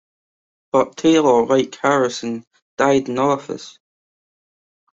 But Taylor, like Harrison, died in office.